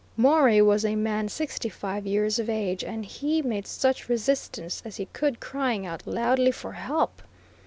Morey was a man sixty five years of age, and he made such resistance as he could, crying out loudly for help.